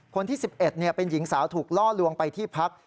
คนที่๑๑เป็นหญิงสาวถูกล่อลวงไปที่พัก